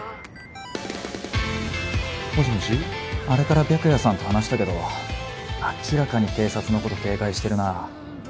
あれから白夜さんと話したけど明らかに警察のこと警戒してるな。